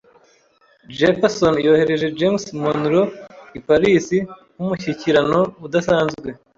Jefferson yohereje James Monroe i Paris nk'umushyikirano udasanzwe.